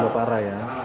kalau para ya